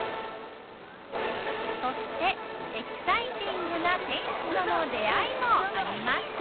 そしてエキサイティングな店主との出会いもありました